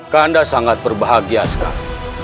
kanda sangat berbahagia sekali